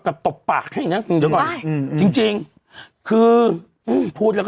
กระตบปากใช่ไงนะถึงเดี๋ยวก่อนว่าอืมจริงจริงคือหืมพูดแล้วก็